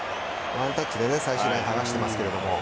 ワンタッチで最終ライン剥がしてますけど。